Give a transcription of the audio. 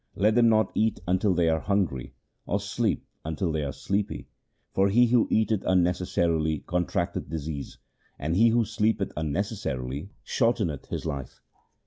Let them not eat until they are hungry, or sleep until they are sleepy, for he who eateth unnecessarily contracteth disease, and he who sleepeth unnecessarily shorteneth his life.